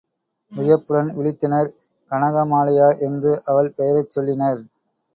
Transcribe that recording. வியப்புடன் விழித்தனர் கனகமாலையா என்று அவள் பெயரைச் சொல்லினர்.